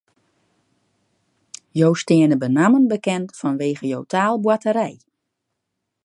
Jo steane benammen bekend fanwege jo taalboarterij.